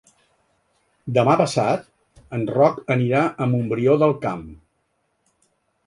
Demà passat en Roc anirà a Montbrió del Camp.